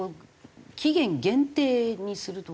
期限限定にするとか。